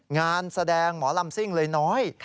งานแสดงหมอลำซิ่งเลยน้อย